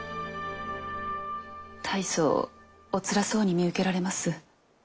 大層おつらそうに見受けられます。